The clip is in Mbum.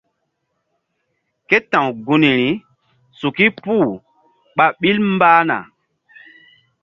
Ke ta̧w gunri suki puh ɓa ɓil mbah na.